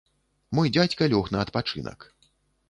Мой дзядзька лёг на адпачынак.